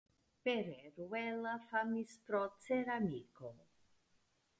Pereruela famis pro ceramiko.